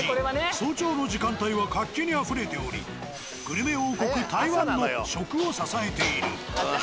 早朝の時間帯は活気にあふれておりグルメ王国台湾の食を支えている。